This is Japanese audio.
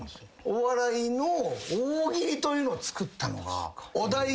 お笑いの大喜利というのを作ったのが。